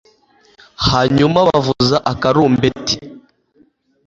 hanyuma bavuza akarumbeti